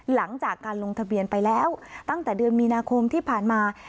หลังจากการลงทะเบียนไปแล้วตั้งแต่เดือนมีนาคมที่ผ่านมา